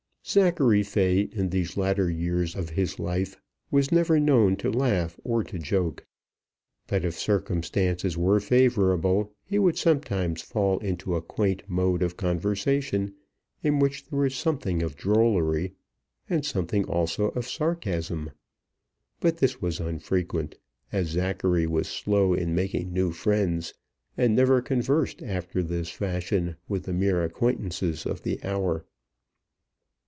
Zachary Fay in these latter years of his life was never known to laugh or to joke; but, if circumstances were favourable, he would sometimes fall into a quaint mode of conversation in which there was something of drollery and something also of sarcasm; but this was unfrequent, as Zachary was slow in making new friends, and never conversed after this fashion with the mere acquaintance of the hour.